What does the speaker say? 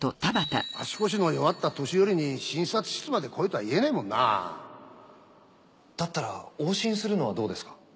足腰の弱った年寄りに診察室まで来いとは言えねえもんなだったら往診するのはどうですか？